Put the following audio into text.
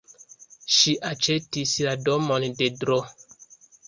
Ŝi aĉetis la domon de Dro.